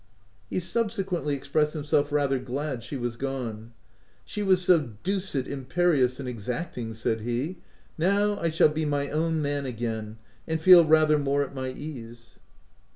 He subsequently expressed himself rather glad she was gone : f She was so deuced impe rious and exacting/' said he :" now I shall be my own man again, and feel rather more at my ease."